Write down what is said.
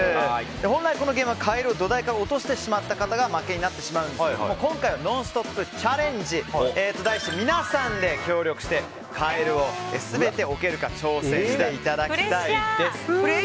本来このゲームはカエルを土台から落としてしまった方が負けになってしまうんですが今回は「ノンストップ！」チャレンジと題して皆さんで協力してカエルを全て置けるか挑戦していただきたいです。